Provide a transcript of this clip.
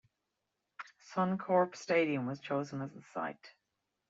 Suncorp Stadium was chosen as the site.